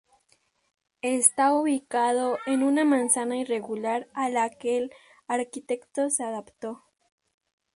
Está ubicado en una manzana irregular a la que el arquitecto se adaptó.